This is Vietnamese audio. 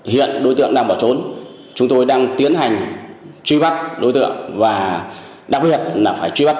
hiện đối tượng đang bỏ trốn chúng tôi đang tiến hành truy bắt đối tượng và đặc biệt là phải truy bắt